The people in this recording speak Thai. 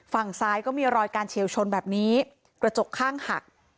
ฝั่งซ้ายก็มีรอยการเฉียวชนแบบนี้กระจกข้างหัก